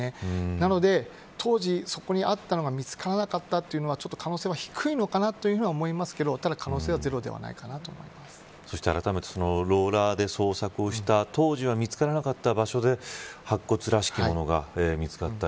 なので当時そこにあったのが見つからなかったのかというのは可能性は低いと思いますがただ、可能性はあらためてローラーで捜索をした当時は見つからなかった場所で白骨らしきものが見つかった。